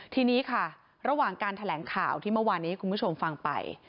ทีนี้ค่ะระหว่างการแถลงข่าวที่เมื่อวานนี้คุณผู้ชมฟังไป